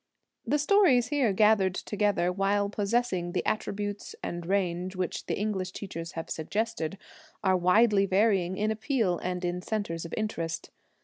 The stories here gathered together, while possessing the attributes and range which the English teachers have suggested, are widely varying in appeal and in centres of interest.